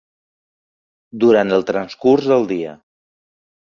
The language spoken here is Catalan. Durant el transcurs del dia.